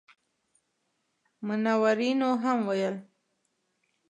منورینو هم ویل.